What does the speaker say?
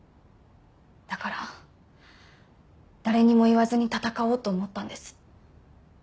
だから誰にも言わずに闘おうと思ったんです。